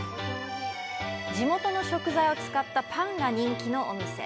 地元の食材を使ったパンが人気のお店。